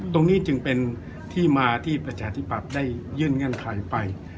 ตรงนี้จึงเป็นที่มาที่ประชาธิปัตย์ได้ยื่นเงื่อนไขไป